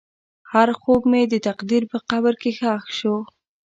هر خوب مې د تقدیر په قبر کې ښخ شو.